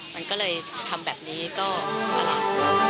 มันก็เลยทำแบบนี้ก็อะไร